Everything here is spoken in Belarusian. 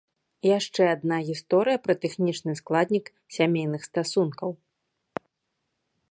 Яшчэ адна гісторыя пра тэхнічны складнік сямейных стасункаў.